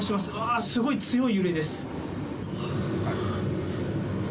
あー、すごい強い揺れです。